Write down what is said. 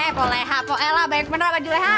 eh po leha po ella baik bener pak juleha